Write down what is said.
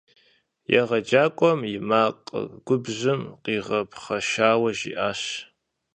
Егъэджакӏуэм и макъыр губжьым къигъэпхъэшауэ жиӏащ.